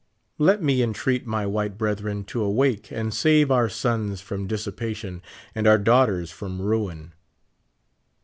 Let me entreat my white brethren to awake and save our sons from dissipation and our daughters from ruin.